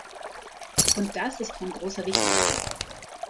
Und das ist von großer Wichtigkeit.